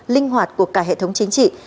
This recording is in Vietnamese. linh hoạt của cả hệ thống chính trị